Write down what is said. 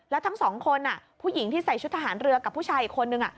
แล้วทั้งสองคนผู้หญิงที่ใส่ชุดทหารเรือกับผู้ชายอีกคนนึง